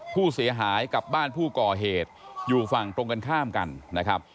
ผู้เสียหายกับบ้านผู้ก่อเหตุอยู่ฝั่งตรงกันข้ามกันนะครับ